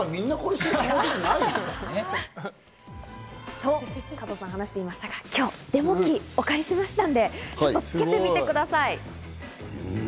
そう加藤さん、話していましたが、今日、デモ機をお借りしましたので、ちょっとつけてみてください。